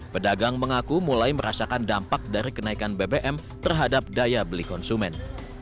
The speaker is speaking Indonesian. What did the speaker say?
pedagang mengaku mulai merasakan dampak dari kenaikan bbm terhadap daya beli konsumen